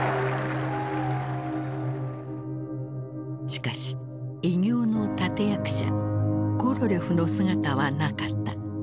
しかし偉業の立て役者コロリョフの姿はなかった。